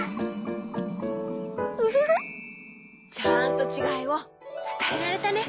ウフフちゃんとちがいをつたえられたね。